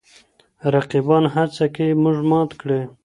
رقیبان هڅه کوي موږ مات کړي.